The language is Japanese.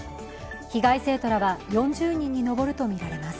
被害生徒らは、４０人に上るとみられます。